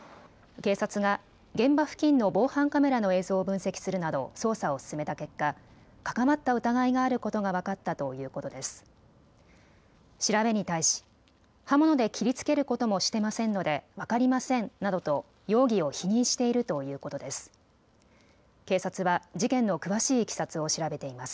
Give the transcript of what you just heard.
警察が現場付近の防犯カメラの映像を分析するなど捜査を進めた結果、関わった疑いがあることが分かったということです。